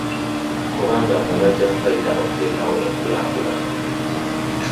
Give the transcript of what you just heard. Kubanga mwe bajja okuyita okuleetawo enkulaakulana.